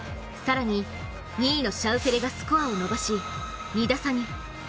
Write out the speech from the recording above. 更に、２位のシャウフェレがスコアを伸ばし、２打差に。